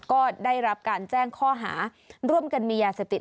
ก็ได้รับการแจ้งข้อหาร่วมกันมียาเสพติด